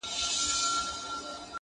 دکرم سیوری چي دي وسو پر ما,